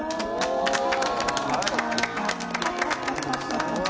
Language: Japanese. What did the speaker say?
すごい！